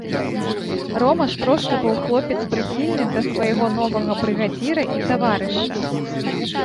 Рома ж проста быў хлопец прыхільны да свайго новага брыгадзіра і таварыша.